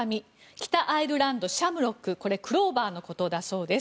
北アイルランド、シャムロックこれ、クローバーのことだそうです。